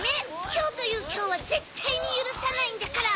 きょうというきょうはぜったいにゆるさないんだから！